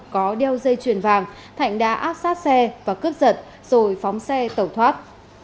có đeo dây chuyền vàng thạnh đã áp sát xe và cướp giật rồi phóng xe tẩu thoát